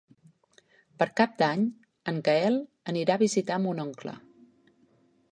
Per Cap d'Any en Gaël anirà a visitar mon oncle.